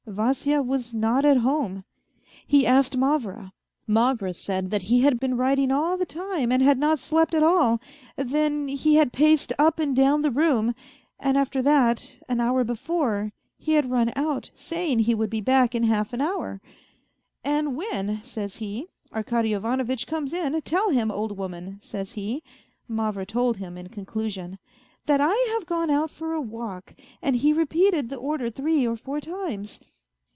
Vasya was not at home. He asked Mavra. Mavra said that he had been writing all the time, and had not slept at all, then he had paced up and down the room, and after that, an hour before, he had run out, saying he would be back in half an hour ;" and when, says he, Arkady Ivanovitch comes in, tell him, old woman, says he," Mavra told him in conclusion, " that I have gone out for a walk," and he repeated the order three or four times.